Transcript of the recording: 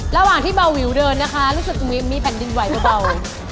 ระหว่างที่เบาวิวเดินนะคะรู้สึกมีแผ่นดินไหวเบา